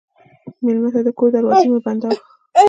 مېلمه ته د کور دروازې مه بندوه.